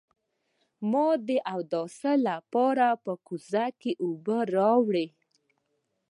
ما د اودس لپاره په کوزه کې اوبه راوړې.